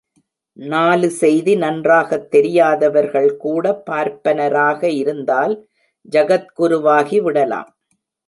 நாலு செய்தி நன்றாகத் தெரியாதவர்கள் கூட பார்ப்பனராக இருந்தால் ஜகத்குரு வாகி விடலாம்.